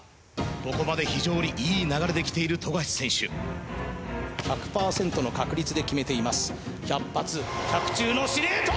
ここまで非常にいい流れできている富樫選手１００％の確率できめています１００発１００中の司令塔！